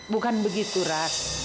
bukan begitu rat